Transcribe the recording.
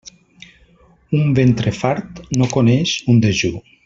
Un ventre fart no coneix un dejú.